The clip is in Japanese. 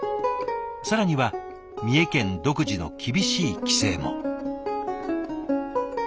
更には三重県独自の厳しい規制も。